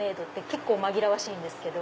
結構紛らわしいんですけど。